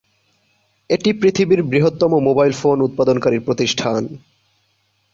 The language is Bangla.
এটি পৃথিবীর বৃহত্তম মোবাইল ফোন উৎপাদনকারী প্রতিষ্ঠান।